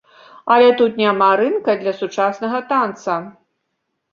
Але тут няма рынка для сучаснага танца.